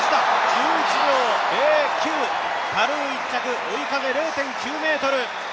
１１秒０９、タルー１着、追い風０．９メートル。